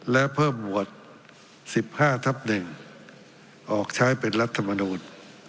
และเพิ่มบวชสิบห้าทับหนึ่งออกใช้เป็นรัฐมนูน